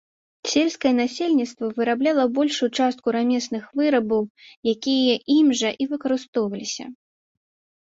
Сельскае насельніцтва вырабляла большую частку рамесных вырабаў, якія ім жа і выкарыстоўваліся.